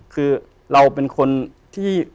คือเราเป็นคนที่